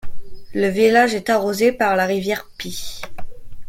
Le village est arrosé par la rivière Py.